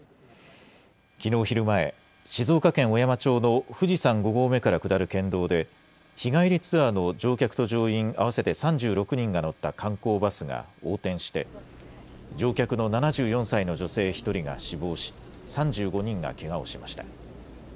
きのう昼前、静岡県小山町の富士山５合目から下る県道で、日帰りツアーの乗客と乗員合わせて３６人が乗った観光バスが横転して、乗客の７４歳の女性１人が死亡し、３５人がけがをしました。